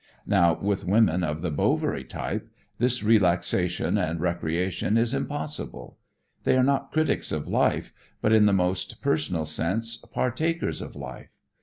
Now with women of the "Bovary" type, this relaxation and recreation is impossible. They are not critics of life, but, in the most personal sense, partakers of life.